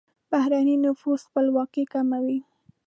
بهرنی نفوذ خپلواکي کموي.